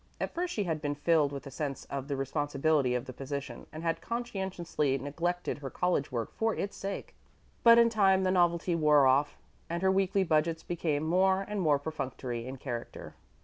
At first she had been filled with a fit sense of the responsibility of the position, and had conscientiously neglected her college work for its sake; but in time the novelty wore off, and her weekly budgets became more and more perfunctory in character.